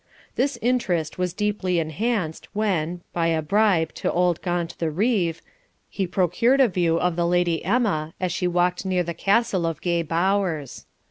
This interest was deeply enhanced when, by a bribe to old Gaunt the Reve, he procured a view of the Lady Emma as she walked near the castle of Gay Bowers.